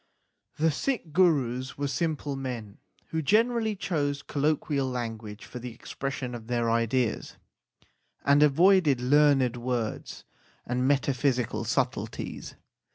The Sikh Gurus were simple men who generally chose colloquial language for the expression of their ideas, and avoided learned words and meta physical subtleties.